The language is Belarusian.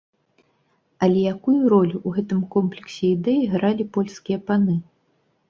Але якую ролю ў гэтым комплексе ідэй гралі польскія паны?